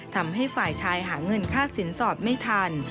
ทำให้ฝ่ายชายหาเงินค่าสินสอดไม่ทัน